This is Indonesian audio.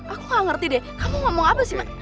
aku gak ngerti deh kamu ngomong apa sih mbak